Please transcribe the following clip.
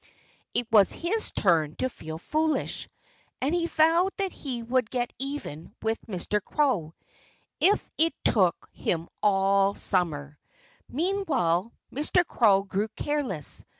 It was his turn to feel foolish. And he vowed that he would get even with Mr. Crow, if it took him all summer. Meanwhile, Mr. Crow grew careless.